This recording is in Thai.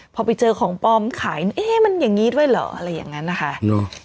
พอไปเจอของปลอมขายเอ๊ะมันอย่างนี้ด้วยเหรออะไรอย่างนั้นนะคะ